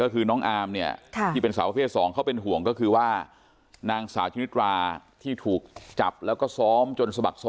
คือน้องอามที่เป็นสาวและเฟรศสองเขาเป็นห่วงก็คือนางสาวชนิดราที่ถูกจับแล้วก็ซ้อมจนสมัครปรัว